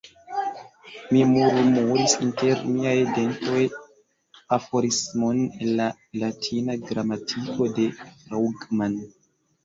Mi murmuris inter miaj dentoj aforismon el la latina gramatiko de Fraugman.